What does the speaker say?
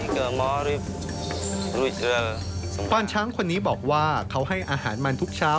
วานช้างคนนี้บอกว่าเขาให้อาหารมันทุกเช้า